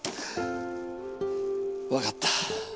分かった。